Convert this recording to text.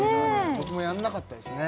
僕もやんなかったですね